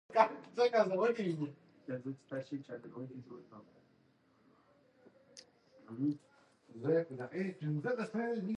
امونونه د ټاکلو فونیټیکښي قوانینو د فعالیت په پای کښي منځ ته راځي.